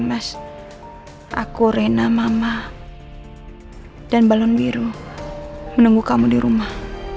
mas aku rena mama dan balon biru menunggu kamu di rumah